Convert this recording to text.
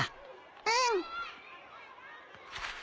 うん。